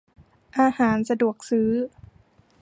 อาหารสะดวกซื้อ